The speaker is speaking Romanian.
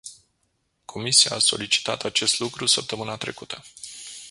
Comisia a solicitat acest lucru săptămâna trecută.